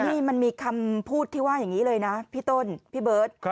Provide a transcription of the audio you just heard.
นี่มันมีคำพูดที่ว่าอย่างนี้เลยนะพี่ต้นพี่เบิร์ต